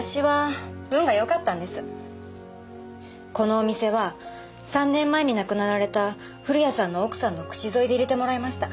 このお店は３年前に亡くなられた古谷さんの奥さんの口添えで入れてもらいました。